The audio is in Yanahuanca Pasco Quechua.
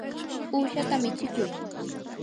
uushata michikuy.